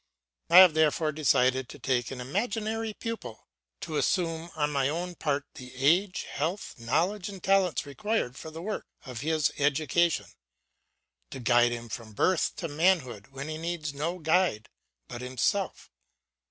I have therefore decided to take an imaginary pupil, to assume on my own part the age, health, knowledge, and talents required for the work of his education, to guide him from birth to manhood, when he needs no guide but himself.